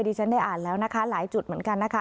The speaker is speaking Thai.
ฉันได้อ่านแล้วนะคะหลายจุดเหมือนกันนะคะ